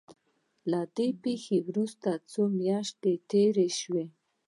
له دې پېښې وروسته څو مياشتې تېرې شوې.